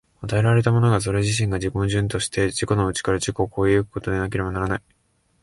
与えられたものそれ自身が自己矛盾的として、自己の内から自己を越え行くことでなければならない。